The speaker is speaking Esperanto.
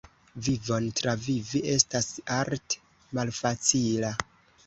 Vivon travivi estas art' malfacila.